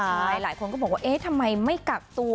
ใช่หลายคนก็บอกว่าเอ๊ะทำไมไม่กักตัว